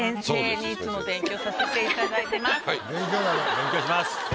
勉強します。